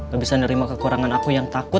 gak bisa nerima kekurangan aku yang kaya itu kang